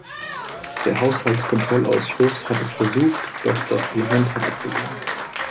Der Haushaltskontrollausschuss hat es versucht, doch das Parlament hat abgelehnt.